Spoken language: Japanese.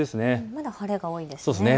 まだ晴れが多いですね。